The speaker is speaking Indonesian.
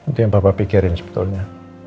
itu yang bapak pikirin sebetulnya